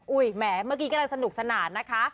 แหมเมื่อกี้กำลังสนุกสนานนะคะ